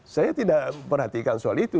saya tidak perhatikan soal itu